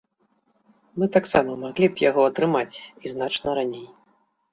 Мы таксама маглі б яго атрымаць, і значна раней.